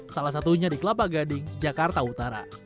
salah satunya di kelapa gading jakarta utara